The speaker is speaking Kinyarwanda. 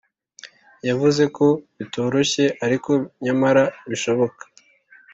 yavuze ko bitoroshye ariko nyamara bishoboka